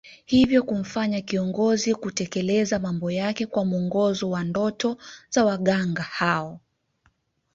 Hivyo kumfanya kiongozi kutekeleza mambo yake kwa mwongozo wa ndoto za waganga hao